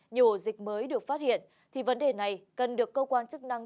nhiều ổ dịch mới được phát hiện thì vấn đề này cần được cơ quan chức năng